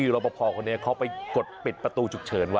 รอปภคนนี้เขาไปกดปิดประตูฉุกเฉินไว้